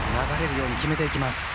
流れるように決めていきます。